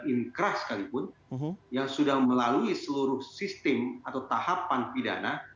inkrah sekalipun yang sudah melalui seluruh sistem atau tahapan pidana